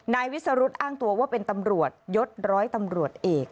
นายวิสรุธอ้างตัวว่าเป็นตำรวจยศร้อยตำรวจเอก